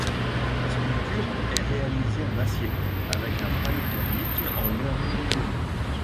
La sculpture est réalisée en acier, avec un bras mécanique en aluminium.